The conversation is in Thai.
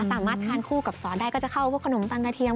สามารถทานคู่กับสอนได้ก็จะเข้าพวกขนมปังกระเทียม